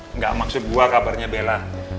enggak maksud gue kabarnya bella